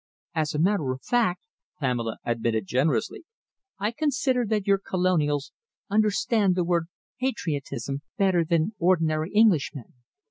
"As a matter of fact," Pamela admitted generously, "I consider that your Colonials understand the word patriotism better than the ordinary Englishman.